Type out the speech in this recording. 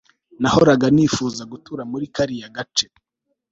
nahoraga nifuza gutura muri kariya gace